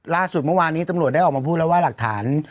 เมื่อวานี้ตำรวจได้ออกมาพูดแล้วว่าหลักฐาน